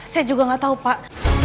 saya juga nggak tahu pak